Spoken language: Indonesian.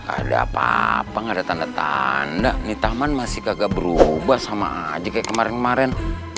ada apa apa nggak ada tanda tanda nih taman masih kagak berubah sama aja kayak kemarin kemarin